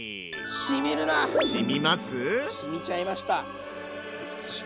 しみちゃいました！